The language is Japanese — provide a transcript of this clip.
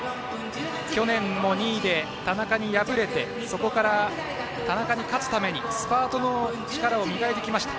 去年も２位で田中に敗れてそこから田中に勝つためにスパートの力を磨いてきました。